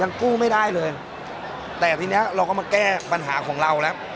กู้ไม่ได้เลยแต่ทีเนี้ยเราก็มาแก้ปัญหาของเราแล้ว